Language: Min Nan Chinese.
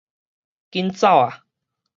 緊走啊